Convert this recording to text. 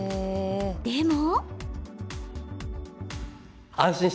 でも。